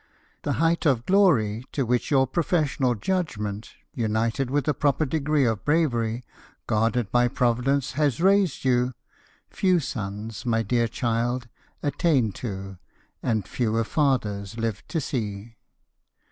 The height of glory to which your professional judgment, united with a proper degree of bravery, guarded by Provi dence, has raised you, few sons, my dear child, attain to, and fewer fathers Uve to see.